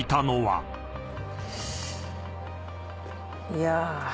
「いや」